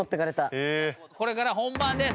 これから本番です。